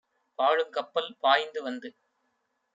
பாழும் கப்பல் பாய்ந்து வந்து